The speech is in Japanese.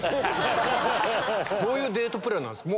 どういうデートプランですか？